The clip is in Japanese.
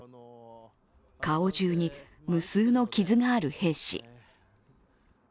顔中に無数の傷がある兵士。